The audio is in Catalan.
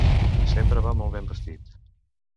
Sempre va molt ben vestit.